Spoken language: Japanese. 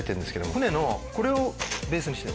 船のこれをベースにしてんですよ。